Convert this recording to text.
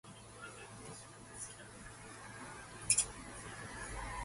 Giving binds friends to oneself.